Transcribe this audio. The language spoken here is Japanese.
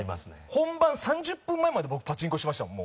本番３０分前まで僕パチンコしてましたもん